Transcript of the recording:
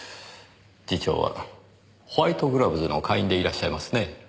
次長はホワイトグラブズの会員でいらっしゃいますね？